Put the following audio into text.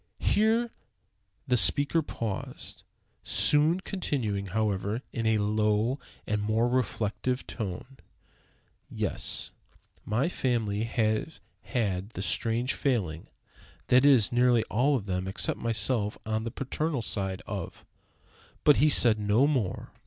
Here the speaker paused, soon continuing, however, in a lower and more reflective tone: "Yes, my family have had the strange failing (that is, nearly all of them except myself, on the paternal side) of " But he said no more.